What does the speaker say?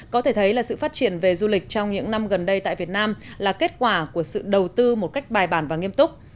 có thể thấy là sự phát triển về du lịch trong những năm gần đây tại việt nam là kết quả của sự đầu tư một cách bài bản và nghiêm túc